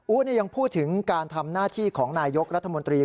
ยังพูดถึงการทำหน้าที่ของนายยกรัฐมนตรี